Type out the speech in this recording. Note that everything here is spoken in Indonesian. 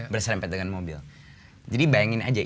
berserempet dengan mobil jadi bayangin aja